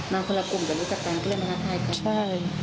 มาคนละกลุ่มจะรู้จักกันกันเลยนะคะใช่